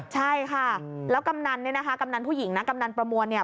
ใช่ค่ะแล้วกำนันผู้หญิงนะกำนันประมวล